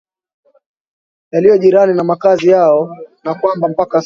yaliyo jirani na makazi yao na kwamba mpaka sasa